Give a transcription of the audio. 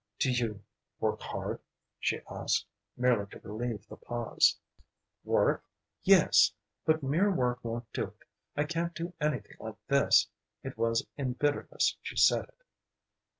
"Do you work hard?" she asked, merely to relieve the pause. "Work yes; but mere work won't do it. I can't do anything like this," it was in bitterness she said it.